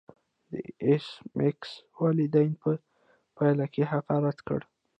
د ایس میکس والدینو په پیل کې هغه رد کړ